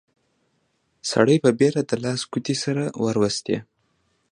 سړي په بيړه د لاس ګوتې سره وروستې.